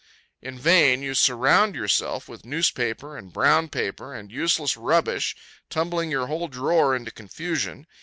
In vain you surround yourself with newspaper and brown paper, and useless rubbish, tumbling your whole drawer into confusion.